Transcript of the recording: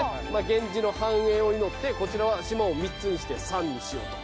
源氏の繁栄を祈ってこちらは島を３つにして「産」にしようと。